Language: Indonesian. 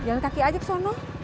jalan kaki aja ke sana